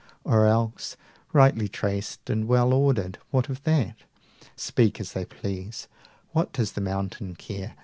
or else, Rightly traced and well ordered; what of that? 95 Speak as they please, what does the mountain care?